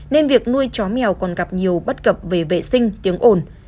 nên việc nuôi chó mèo còn gặp nhiều bất cập về vệ sinh tiếng ồn